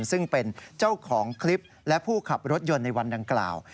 ซึ่งเป็นเจ้าของคลิปและผู้ขับรถยนต์ในวันดังกล่าว